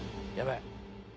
やばい。